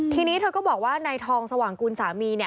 ทีนี้เธอก็บอกว่านายทองสว่างกุลสามีเนี่ย